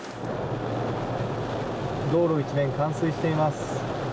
道路一面、冠水しています。